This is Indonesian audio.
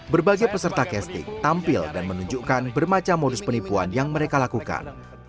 berbagai peserta castik tampil dan menunjukkan bermacam modus penipuan yang mereka lakukan